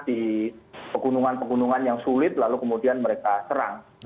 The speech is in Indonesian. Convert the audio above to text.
di pegunungan pegunungan yang sulit lalu kemudian mereka serang